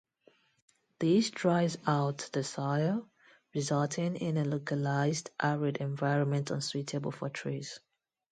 This dries out the soil, resulting in a localized arid environment unsuitable for trees.